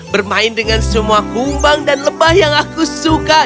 bermain dengan semua kumbang dan lebah yang aku suka